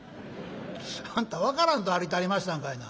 「あんた分からんと歩いたはりましたんかいな。